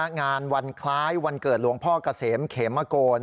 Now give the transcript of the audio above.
งานวันคล้ายวันเกิดหลวงพ่อเกษมเขมโก